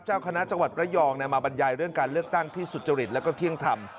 เจ้าคณะจังหวัดระยองมาบรรยายเรื่องการเลือกตั้งที่สุจริตแล้วก็เที่ยงธรรม